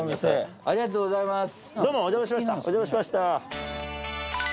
ありがとうございます。